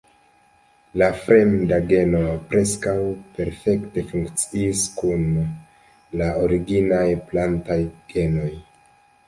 La fremda geno preskaŭ perfekte funkciis kune kun la originaj plantaj genoj.